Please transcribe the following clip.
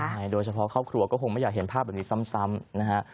ใช่โดยเฉพาะครอบครัวก็คงไม่อยากเห็นภาพแบบนี้ซ้ำนะฮะ